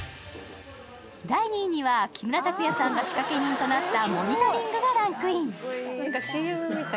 第２位には木村拓哉さんが仕掛け人となった「モニタリング」がランクイン。